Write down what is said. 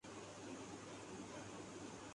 hockey ایک ہردلعزیز Europe کا کھیل ہے